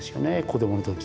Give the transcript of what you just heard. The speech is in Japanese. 子どもの時。